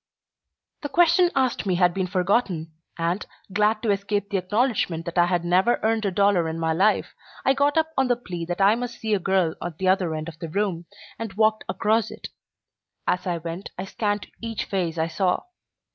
The question asked me had been forgotten, and, glad to escape the acknowledgment that I had never earned a dollar in my life, I got up on the plea that I must see a girl at the other end of the room, and walked across it. As I went I scanned each face I saw.